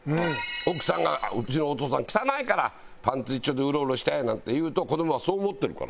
奥さんが「うちのお父さん汚いからパンツ一丁でウロウロして！」なんて言うと子どもはそう思ってるから。